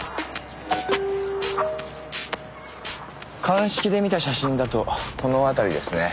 鑑識で見た写真だとこの辺りですね